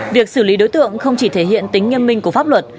việc xử lý đối tượng không chỉ thể hiện tính nghiêm minh của pháp luật